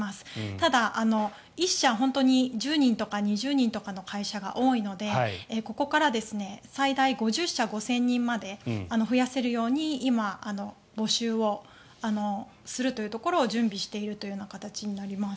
ただ、１社１０人とか２０人の会社が多いのでここから最大５０社５０００人まで増やせるように今、募集をするというところを準備しているという形になります。